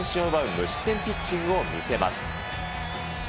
無失点ピッチングを見せます。